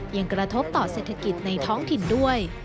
ยังกระทบต่อเศรษฐกิจในท้องถิ่นด้วย